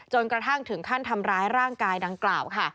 จนกระทั่งถึงขั้นทำร้ายร่างกายดังกล่าวค่ะ